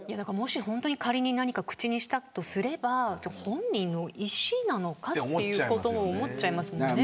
もし、本当に仮になにか口にしたとすれば本人の意思なのかということも思っちゃいますもんね。